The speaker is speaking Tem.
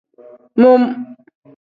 Mum.